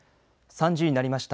３時になりました。